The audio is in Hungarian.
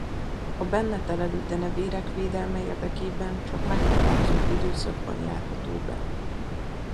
A benne telelő denevérek védelme érdekében csak meghatározott időszakban járható be.